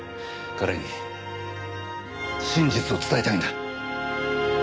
彼に真実を伝えたいんだ。